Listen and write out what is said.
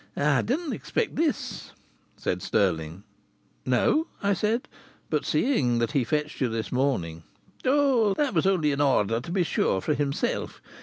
"I didn't expect this," said Stirling. "No?" I said. "But seeing that he fetched you this morning " "Oh! That was only in order to be sure, for himself.